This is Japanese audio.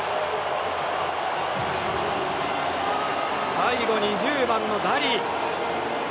最後、２０番のダリ。